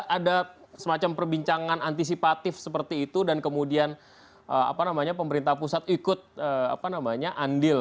ada semacam perbincangan antisipatif seperti itu dan kemudian pemerintah pusat ikut andil